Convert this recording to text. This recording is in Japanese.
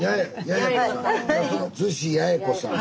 厨子八重子さん。